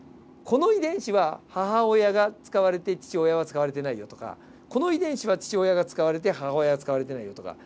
この遺伝子は母親が使われて父親は使われてないよとかこの遺伝子は父親が使われて母親は使われてないよとか。